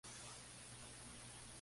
Su padre, Dick, nació en St.